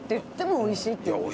「おいしいよ」って？